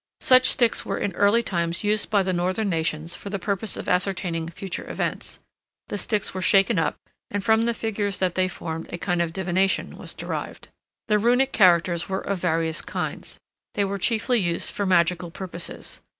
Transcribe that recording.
Such sticks were in early times used by the northern nations for the purpose of ascertaining future events. The sticks were shaken up, and from the figures that they formed a kind of divination was derived. The Runic characters were of various kinds. They were chiefly used for magical purposes.